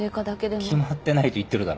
決まってないと言ってるだろ。